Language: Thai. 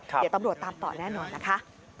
เดี๋ยวตำรวจตามต่อแน่นอนนะคะ